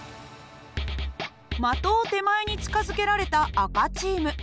的を手前に近づけられた赤チーム。